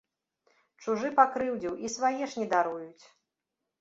Чужы пакрыўдзіў і свае ж не даруюць.